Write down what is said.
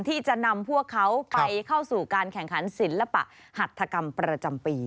ที่จะนำพวกเขาไปเข้าสู่การแข่งขันศิลปะหัตถกรรมประจำปี